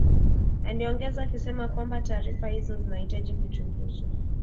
aliongeza akisema kwamba taarifa hizo zinahitaji kuchunguzwa